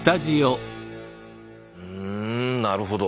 うんなるほど。